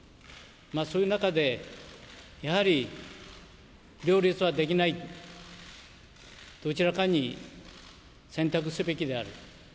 そういう中で、やはり両立はできない、どちらかに選択すべきである。